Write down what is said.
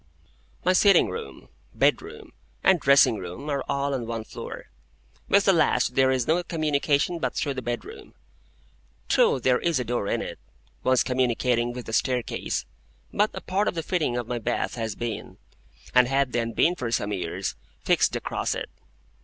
My sitting room, bedroom, and dressing room, are all on one floor. With the last there is no communication but through the bedroom. True, there is a door in it, once communicating with the staircase; but a part of the fitting of my bath has been—and had then been for some years—fixed across it.